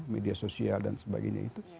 media sosial dan sebagainya itu